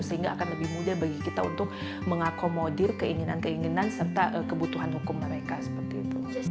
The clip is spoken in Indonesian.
sehingga akan lebih mudah bagi kita untuk mengakomodir keinginan keinginan serta kebutuhan hukum mereka seperti itu